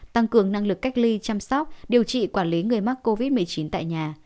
tăng cường năng lực cách ly chăm sóc điều trị quản lý người mắc covid một mươi chín tại nhà